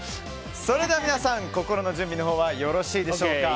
それでは皆さん心の準備はよろしいでしょうか。